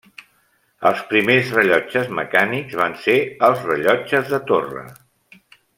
Els primers rellotges mecànics van ser els rellotges de torre.